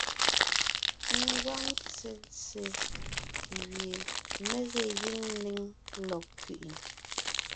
Ngwáŋ ntsentse gẅie mé ge gíŋ néŋ lɔg kẅiʼi,